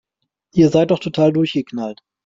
Ihr seid doch total durchgeknallt